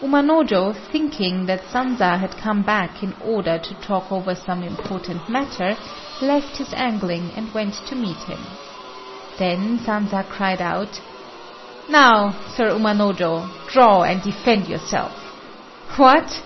Umanojô, thinking that Sanza had come back in order to talk over some important matter, left his angling and went to meet him. Then Sanza cried out "Now, Sir Umanojô, draw and defend yourself. What!